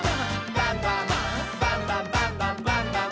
バンバン」「バンバンバンバンバンバン！」